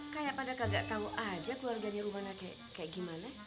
kayak pada kagak tahu aja keluarganya rumana kayak gimana